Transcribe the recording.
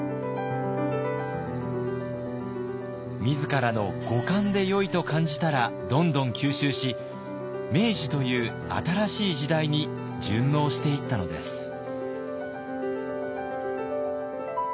自らの五感でよいと感じたらどんどん吸収し明治という新しい時代に順応していったのです。